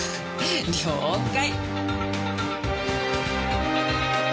了解。